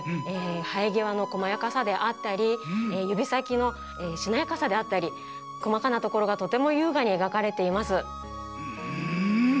はえぎわのこまやかさであったりゆびさきのしなやかさであったりこまかなところがとてもゆうがにえがかれています。